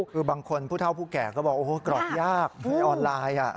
คือบางคนผู้เท่าผู้แก่ก็บอกโอ้โหกรอกยากในออนไลน์